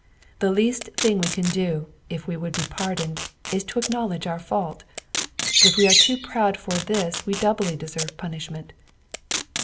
The least thing we can do, if we would be pardoned, ia to acknowledge our fault ; if we are too proud for this we doubly deserve pun ishment.